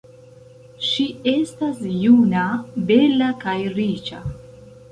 Ŝi estas juna, bela, kaj riĉa.